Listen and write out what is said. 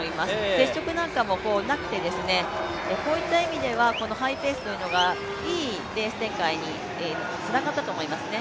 接触なんかもなくて、こういった意味ではハイペースというのがいいレース展開につながったと思いますね。